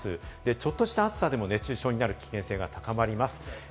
ちょっとした暑さでも熱中症になる危険性が高まります。